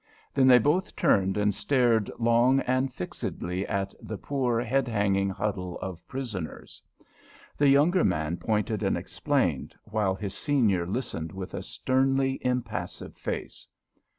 Then they both turned and stared long and fixedly at the poor, head hanging huddle of prisoners. The younger man pointed and explained, while his senior listened with a sternly impassive face.